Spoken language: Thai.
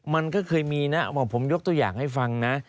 มันก็เคยมีนะผมยกตัวอย่างให้ฟังนะ